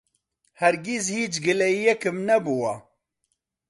هەرگیز هیچ گلەیییەکم نەبووە.